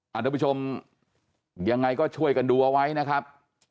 ท่านผู้ชมยังไงก็ช่วยกันดูเอาไว้นะครับ